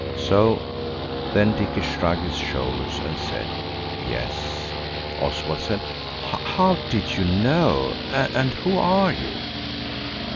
So then Dicky shrugged his shoulders and said, "Yes." Oswald said, "How did you know and who are you?"